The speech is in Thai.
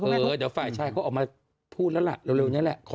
เดี๋ยวฝ่ายชายเขาออกมาพูดแล้วล่ะเร็วนี้แหละ